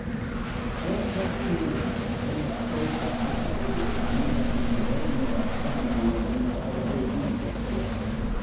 "Four o'clock P. M. They have closed up perceptibly, and we have been debating about trying one of them with Idaho's Winchester.